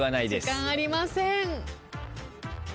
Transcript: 時間ありません。